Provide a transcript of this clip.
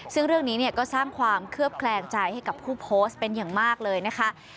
ซึ่งเรื่องนี้ก็สร้างความเคลือบแคลงใจให้กับผู้โพสต์เป็นอย่างมากเลยนะคะ